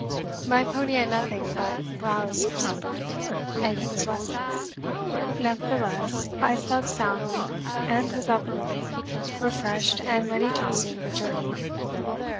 My pony had nothing but browse for supper, and he was restless. Nevertheless I slept soundly and was up early, refreshed and ready to resume the journey.